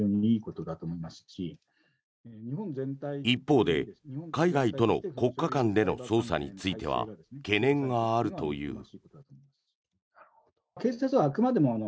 一方で海外との国家間での捜査については懸念があるという。